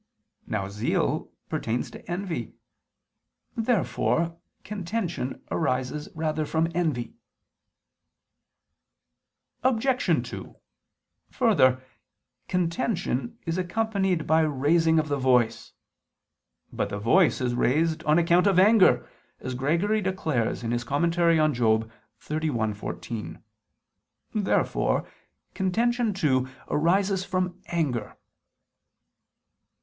Now zeal pertains to envy. Therefore contention arises rather from envy. Obj. 2: Further, contention is accompanied by raising of the voice. But the voice is raised on account of anger, as Gregory declares (Moral. xxxi, 14). Therefore contention too arises from anger.